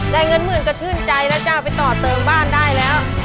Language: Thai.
เงินหมื่นก็ชื่นใจแล้วจ้าไปต่อเติมบ้านได้แล้ว